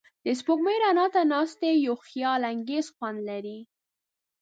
د سپوږمۍ رڼا ته ناستې یو خیالانګیز خوند لري.